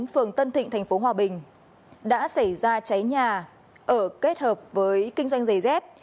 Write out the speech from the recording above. phường tân thịnh tp hòa bình đã xảy ra cháy nhà ở kết hợp với kinh doanh giày dép